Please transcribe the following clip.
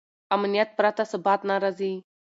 امنیت پرته ثبات نه راځي.